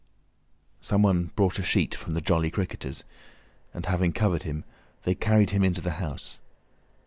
Someone brought a sheet from the "Jolly Cricketers," and having covered him, they carried him into that house.